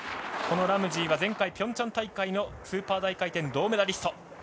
ラムジーは前回のピョンチャン大会のスーパー大回転、銅メダリスト。